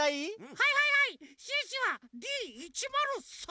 はいはいはいシュッシュはＤ１０３！